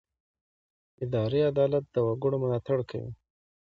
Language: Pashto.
اداري عدالت د وګړو ملاتړ کوي.